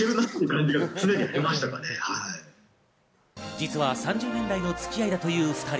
実は３０年来のつき合いだという２人。